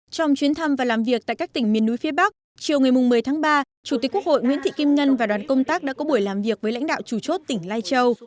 trong chuyến thăm và làm việc tại các tỉnh miền núi phía bắc chiều ngày một mươi tháng ba chủ tịch quốc hội nguyễn thị kim ngân và đoàn công tác đã có buổi làm việc với lãnh đạo chủ chốt tỉnh lai châu